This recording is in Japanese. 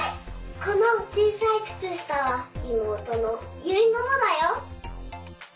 このちいさいくつしたはいもうとのゆいののだよ。